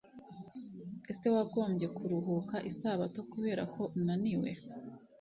Ese wagombye kuruhuka Isabato kubera ko unaniwe